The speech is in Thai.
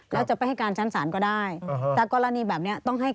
แล้วก็ตรงนี้